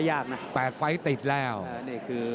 โอ้โหแดงโชว์อีกเลยเดี๋ยวดูผู้ดอลก่อน